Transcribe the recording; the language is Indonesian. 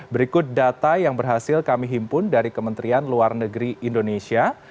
berikut data yang berhasil kami himpun dari kementerian luar negeri indonesia